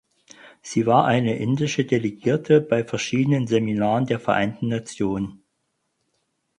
Sie war eine indische Delegierte bei verschiedenen Seminaren der Vereinten Nationen.